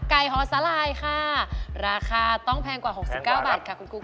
ไก่ฮอสลายค่ะราคาต้องแพงกว่า๖๙บาทค่ะคุณครูกุ๊ก